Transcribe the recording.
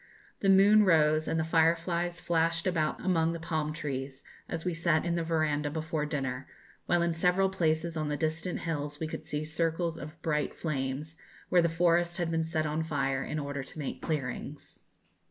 The moon rose, and the fireflies flashed about among the palm trees, as we sat in the verandah before dinner, while in several places on the distant hills we could see circles of bright flames, where the forest had been set on fire in order to make clearings.